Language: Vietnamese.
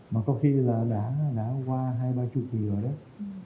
mà có khi là đã qua hai ba chút